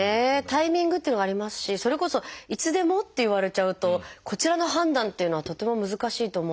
タイミングっていうのがありますしそれこそいつでもって言われちゃうとこちらの判断っていうのはとっても難しいと思うんですけれども。